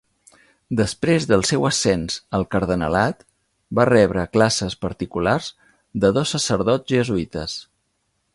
Després del seu ascens al cardenalat, va rebre classes particulars de dos sacerdots jesuïtes.